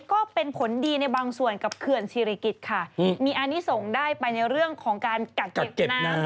ก็เป็นผลดีในบางส่วนกับเขื่อนศิริกิจค่ะมีอันนี้ส่งได้ไปในเรื่องของการกักเก็บน้ำ